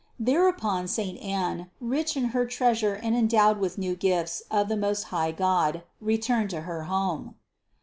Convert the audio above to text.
Thereupon saint Anne, rich in her Treasure and endowed with new gifts of the most high God, re turned to her home.